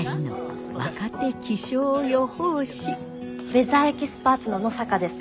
ウェザーエキスパーツの野坂です。